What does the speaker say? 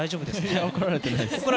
怒られてないです。